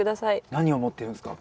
何を持ってるんすか？